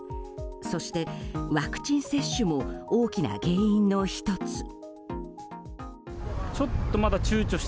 そして、ワクチン接種も大きな原因の１つ。